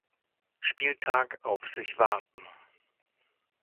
Spieltag auf sich warten.